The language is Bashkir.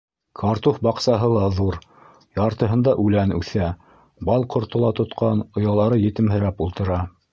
Картуф баҡсаһы ла ҙур, яртыһында үлән үҫә, бал ҡорто ла тотҡан - оялары етемһерәп ултыра.